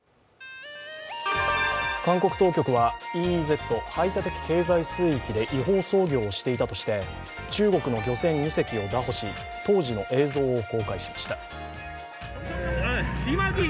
韓国当局はＥＥＺ＝排他的経済水域で違法操業をしていたとして中国の漁船２隻を拿捕し当時の映像を公開しました。